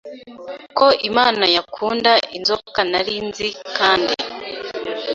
Ko Imana yakunda Inzoka nari nzi kandi